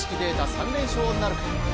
３連勝なるか。